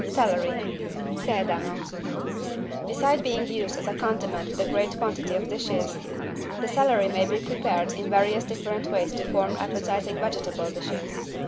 CELERY (Sedano) Beside being used as a condiment with a great quantity of dishes, the celery may be prepared in various different ways to form appetizing vegetable dishes.